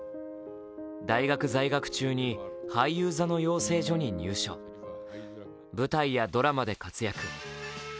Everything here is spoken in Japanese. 大学在学中に俳優座の養成所に入所、舞台やドラマで活躍。